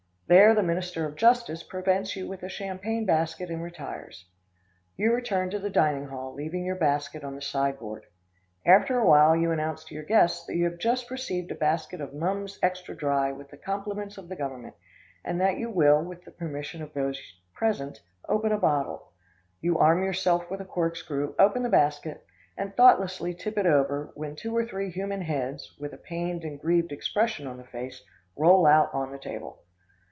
There the minister of justice presents you with a champagne basket and retires. You return to the dining hall, leaving your basket on the sideboard. After a while you announce to your guests that you have just received a basket of Mumm's extra dry with the compliments of the government, and that you will, with the permission of those present, open a bottle. You arm yourself with a corkscrew, open the basket, and thoughtlessly tip it over, when two or three human heads, with a pained and grieved expression on the face, roll out on the table.